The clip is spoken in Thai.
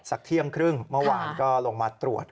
สักเที่ยวนักลุ่มครึ่งเมื่อวานก็ลงมาตรวจ